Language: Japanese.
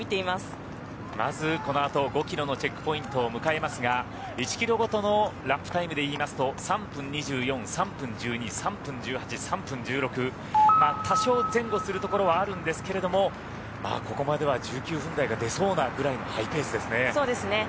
まずこのあと５キロのチェックポイントを迎えますが１キロごとのラップタイムでいいますと３分２４、３分１２、３分１８３分１６、多少前後するところはあるんですけれどもここまでは１９分台が出そうなぐらいのハイペースですね。